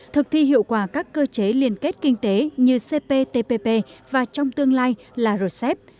thực thi hiệu quả các cơ chế liên kết kinh tế như cptpp và trong tương lai là rcep